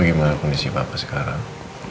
bagaimana kondisi papa sekarang